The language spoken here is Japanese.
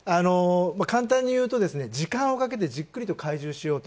簡単に言うと、時間をかけてじっくりと懐柔しようと。